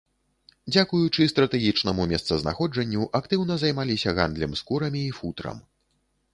Дзякуючы стратэгічнаму месцазнаходжанню актыўна займаліся гандлем скурамі і футрам.